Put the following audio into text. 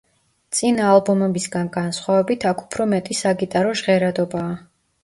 წინა ალბომებისგან განსხვავებით აქ უფრო მეტი საგიტარო ჟღერადობაა.